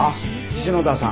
篠田さん。